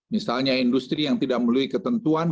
misalnya industri yang tidak melalui ketentuan